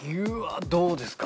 どうですか？